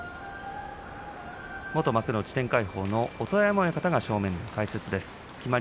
元幕内天鎧鵬の音羽山親方が正面解説です。